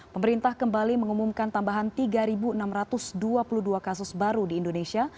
pemerintah kembali mengumumkan tambahan tiga enam ratus dua puluh dua kasus baru di indonesia